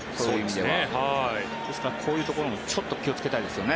ですから、こういうところも気をつけたいですね。